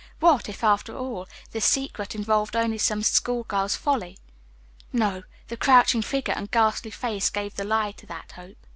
What if, after all, this secret involved only some school girl's folly? No; the crouching figure and ghastly face gave the lie to that hope.